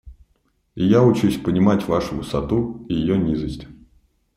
И я учусь понимать вашу высоту и ее низость.